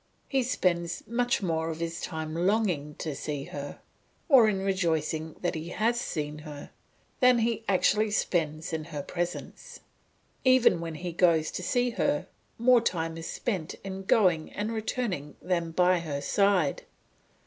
He spends much more of his time in longing to see her, or in rejoicing that he has seen her, than he actually spends in her presence. Even when he goes to see her, more time is spent in going and returning than by her side.